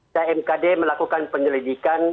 kita mkd melakukan penyelidikan